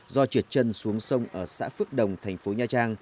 do trượt chân xuống sông ở xã phước đồng thành phố nha trang